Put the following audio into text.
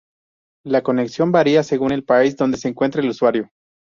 La conexión varía según el país donde se encuentre el usuario